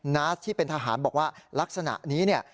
นาสที่เป็นทหารบอกว่าลักษณะนี้เนี่ย